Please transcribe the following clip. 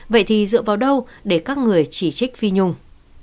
vậy thì dựa vào đâu để các người chỉ trích phi nhung